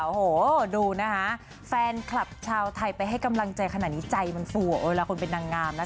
โอ้โหดูนะคะแฟนคลับชาวไทยไปให้กำลังใจขนาดนี้ใจมันฟูเวลาคนเป็นนางงามนะคะ